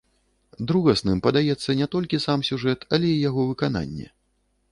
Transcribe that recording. Другасным падаецца не толькі сам сюжэт, але і яго выкананне.